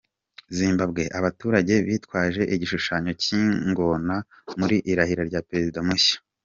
Zimbabwe: Abaturage bitwaje igishushanyo cy’ingona mu irahira rya Perezida mushya.